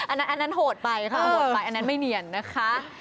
อันนั้นโหดไปค่ะโหดไปอันนั้นไม่เนียนนะคะ